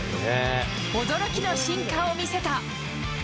驚きの進化を見せた。